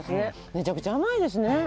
めちゃくちゃ甘いですね。